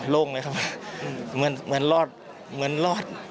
โล่งเลยเหมือนรอด